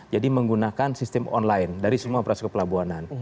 jadi menggunakan sistem online dari semua proses kepelabuhanan